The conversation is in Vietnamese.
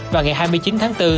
và ngày hai mươi chín tháng bốn